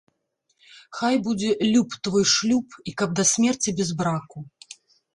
Хай будзе люб твой шлюб і каб да смерці без браку